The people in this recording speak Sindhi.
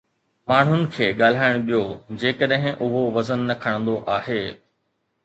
ماڻهن کي ڳالهائڻ ڏيو جيڪڏهن اهو وزن نه کڻندو آهي.